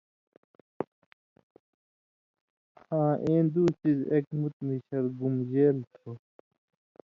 آں اېں دو څیزہۡ اېک مُت مِشر گُمبژېل تھو۔